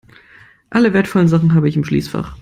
Alle wertvollen Sachen habe ich im Schließfach.